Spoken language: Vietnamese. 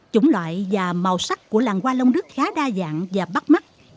chủng loại và màu sắc của làng hoa long đức khá đa dạng và bắt mắt